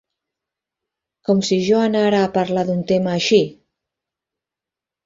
Com si jo anara a parlar d'un tema així!